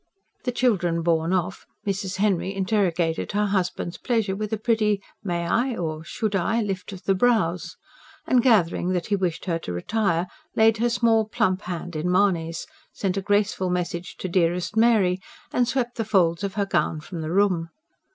The children borne off, Mrs. Henry interrogated her husband's pleasure with a pretty: "May I?" or "Should I?" lift of the brows; and gathering that he wished her to retire, laid her small, plump hand in Mahony's, sent a graceful message to "dearest Mary," and swept the folds of her gown from the room.